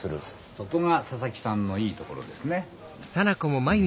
そこが佐々木さんのいいところですね。